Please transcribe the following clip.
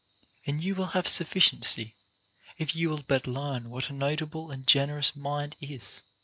And you will have sufficiency, if you will but learn what a notable and generous mind is.